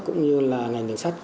cũng như là ngành đường sát